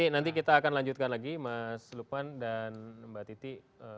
nanti kita akan lanjutkan lagi mas lukman dan mbak titi